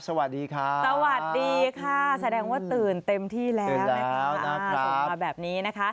สวัสดีค่ะสวัสดีค่ะแสดงว่าตื่นเต็มที่แล้วนะคะส่งมาแบบนี้นะคะ